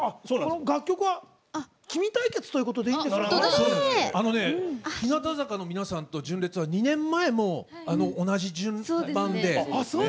楽曲は「君」対決ということで日向坂の皆さんと純烈は２年前も同じ順番で。